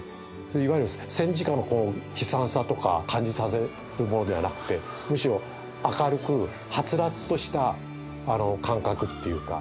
いわゆる戦時下の悲惨さとか感じさせるものではなくてむしろ明るくはつらつとした感覚っていうか。